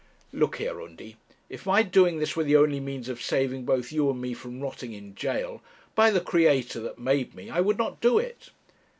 'Look here, Undy; if my doing this were the only means of saving both you and me from rotting in gaol, by the Creator that made me I would not do it!'